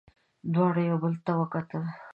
دواړو یو بل ته وکتل.